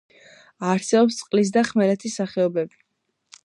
არსებობს წყლის და ხმელეთის სახეობები.